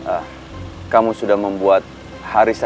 apa hubungan kamu dengan pak pratama ardiansyah